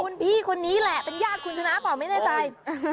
คุณพี่คนนี้แหละเป็นญาติคุณชนะเปล่าไม่แน่ใจ